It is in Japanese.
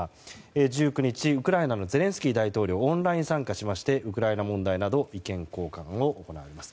１９日、ウクライナのゼレンスキー大統領オンライン参加しましてウクライナ問題など意見交換を行います。